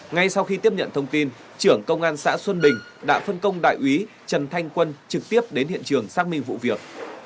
ngay sau khi tiếp nhận thông tin trưởng công an xã xuân bình đã phân công đại úy trần thanh quân trực tiếp đến hiện trường xác minh vụ việc